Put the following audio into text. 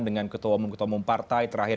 dengan ketua ketua mempartai terakhir